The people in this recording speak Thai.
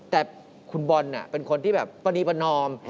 แต่คุณบอลเป็นคนที่แบบปรณีประนอม